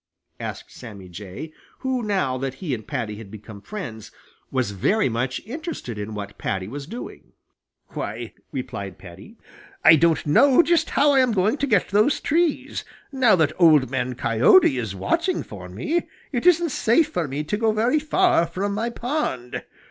asked Sammy Jay, who, now that he and Paddy had become friends, was very much interested in what Paddy was doing. "Why," replied Paddy, "I don't know just how I am going to get those trees. Now that Old Man Coyote is watching for me, it isn't safe for me to go very far from my pond.